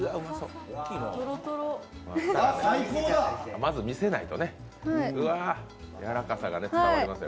まず、見せないとね、やわらかさが伝わりません。